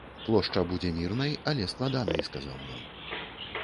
Плошча будзе мірнай, але складанай, сказаў ён.